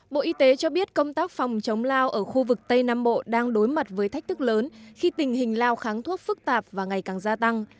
bộ y tế cho biết công tác phòng chống lao ở khu vực tây nam bộ đang đối mặt với thách thức lớn khi tình hình lao kháng thuốc phức tạp và ngày càng gia tăng